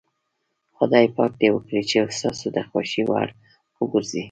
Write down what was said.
خدای پاک دې وکړي چې ستاسو د خوښې وړ وګرځي.